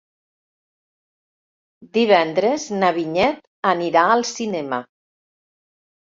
Divendres na Vinyet anirà al cinema.